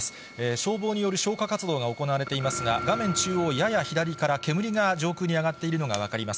消防による消火活動が行われていますが、画面中央やや左から煙が上空に上がっているのが分かります。